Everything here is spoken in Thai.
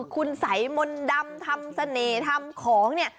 คุณสัยมนต์ดำทำเสน่ห์ทำของเนี่ย